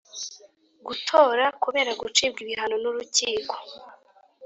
gutora kubera gucibwa ibihano nurukiko